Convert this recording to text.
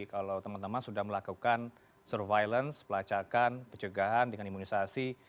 kalau teman teman sudah melakukan surveillance pelacakan pencegahan dengan imunisasi